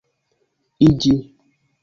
iĝi